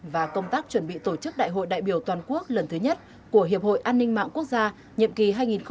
và công tác chuẩn bị tổ chức đại hội đại biểu toàn quốc lần thứ nhất của hiệp hội an ninh mạng quốc gia nhiệm kỳ hai nghìn hai mươi bốn hai nghìn hai mươi bốn